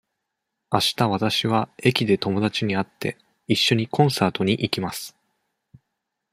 あしたわたしは駅で友だちに会って、いっしょにコンサートに行きます。